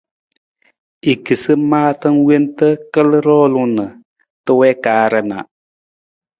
I kisi maata wonta kal roolung na ta wii kaar na.